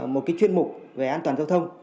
một cái chuyên mục về an toàn giao thông